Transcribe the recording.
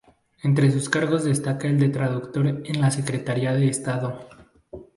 Entre sus cargos destaca el de traductor en la Secretaría de Estado